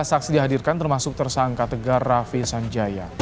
tiga belas saksi dihadirkan termasuk tersangka tegar rafi sanjaya